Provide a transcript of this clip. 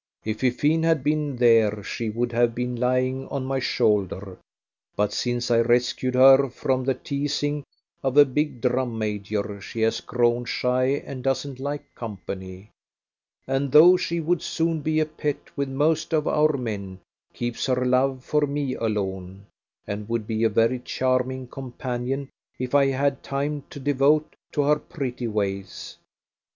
If Fifine had been there she would have been lying on my shoulder, but since I rescued her from the teasing of a big drum major she has grown shy and doesn't like company; and though she would soon be a pet with most of our men, keeps her love for me alone, and would be a very charming companion if I had time to devote to her pretty ways.'